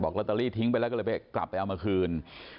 ลอตเตอรี่ทิ้งไปแล้วก็เลยไปกลับไปเอามาคืน